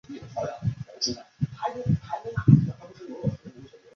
萨其马是一种以面粉加鸡蛋为主要原料的方形甜味糕点。